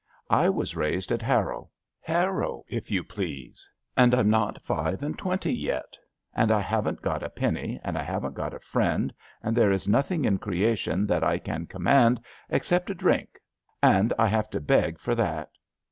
I was raised at Harrow — ^Harrow, if you please — and I'm not five and twenty yet, and I haven't got a i)enny, and I haven't got a friend, and there is nothing in creation that I can command except a drink, and I have to beg for that.